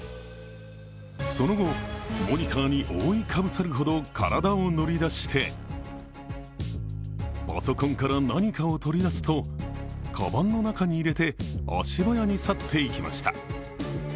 その後、モニターに覆いかぶさるほど体を乗り出してパソコンから何かを取り出すとかばんの中に入れて足早に去っていきました。